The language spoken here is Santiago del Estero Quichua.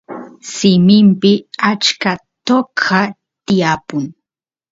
simimpi achka toqa tiyapun